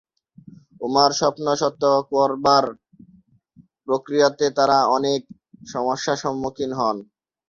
উমার স্বপ্ন সত্য করবার প্রক্রিয়াতে তারা অনেক সমস্যা সম্মুখীন হন।